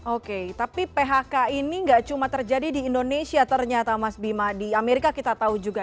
oke tapi phk ini nggak cuma terjadi di indonesia ternyata mas bima di amerika kita tahu juga